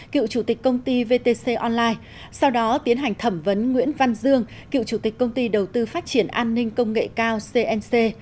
cựu chủ tịch công ty vtc online sau đó tiến hành thẩm vấn nguyễn văn dương cựu chủ tịch công ty đầu tư phát triển an ninh công nghệ cao cnc